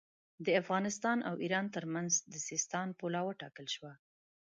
د افغانستان او ایران ترمنځ د سیستان پوله وټاکل شوه.